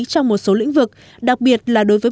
trong một số lĩnh vực đặc biệt là đối với